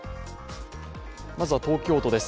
まずは東京都です。